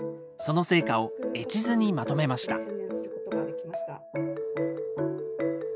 その成果を絵地図にまとめました。